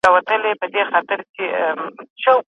هغې دا سترګې لرلې او کار یې ترې واخیست.